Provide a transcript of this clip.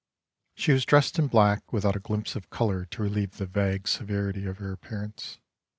She was dressed in black without a glimpse of color to relieve the vague severity of her appear ance.